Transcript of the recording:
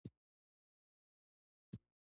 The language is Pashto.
په افغانستان کې پسرلی د خلکو د اعتقاداتو سره تړاو لري.